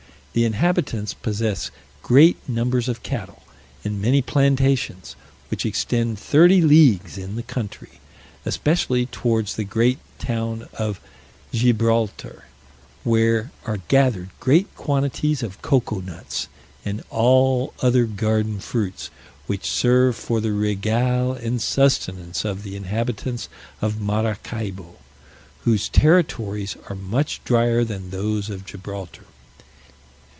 The inhabitants possess great numbers of cattle, and many plantations, which extend thirty leagues in the country, especially towards the great town of Gibraltar, where are gathered great quantities of cocoa nuts, and all other garden fruits, which serve for the regale and sustenance of the inhabitants of Maracaibo, whose territories are much drier than those of Gibraltar.